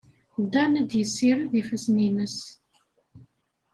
Dan ad yessired ifassen-nnes.